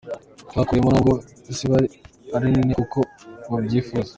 twakoreyemo nubwo ziba ari nini nkuko babyifuza.